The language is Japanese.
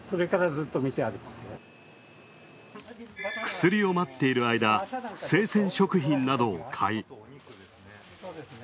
薬を待っている間、生鮮食品などを買い。